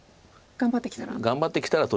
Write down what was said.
頑張ってきたら。